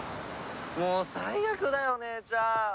もう最悪だよ姉ちゃん！